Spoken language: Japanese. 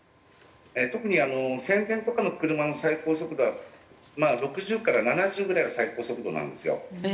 特に戦前とかの車の最高速度はまあ６０から７０ぐらいが最高速度なんですよ。